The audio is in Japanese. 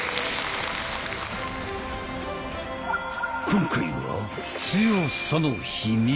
今回は「強さの秘密」。